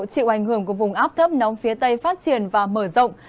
chịu ảnh hưởng của vùng áp thấp nóng phía tây phát triển và mở rộng